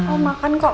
mau makan kok